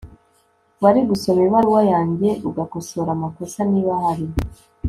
wari gusoma ibaruwa yanjye ugakosora amakosa, niba ahari